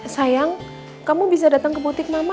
sayang kamu bisa datang ke butik mama